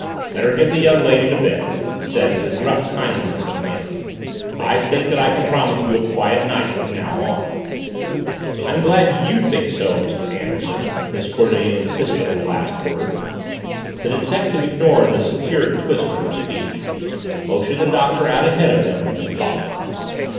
"Better get the young lady to bed," he said with a gruff kindliness of manner. "I think that I can promise you a quiet night from now on." "I'm glad you think so, Mr. Anderson!" Miss Cornelia insisted on the last word. The detective ignored the satiric twist of her speech, motioned the Doctor out ahead of him, and followed.